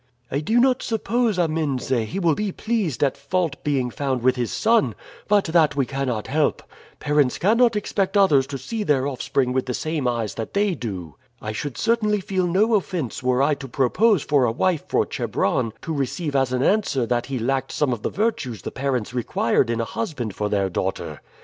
"I do not suppose, Amense, he will be pleased at fault being found with his son, but that we cannot help. Parents cannot expect others to see their offspring with the same eyes that they do. I should certainly feel no offense were I to propose for a wife for Chebron to receive as an answer that he lacked some of the virtues the parents required in a husband for their daughter.